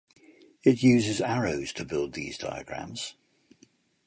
It uses arrows to build these diagrams.